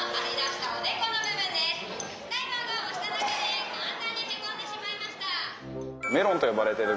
ダイバーが押しただけでこんなにへこんでしまいました。